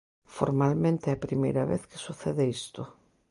Formalmente é a primeira vez que sucede isto.